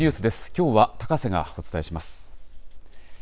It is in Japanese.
きょうは高瀬がお伝えします。